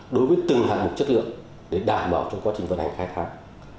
đối với từng hạng mục chất lượng để đảm bảo trong quá trình vận hành khai thác